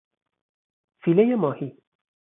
فیلهی ماهی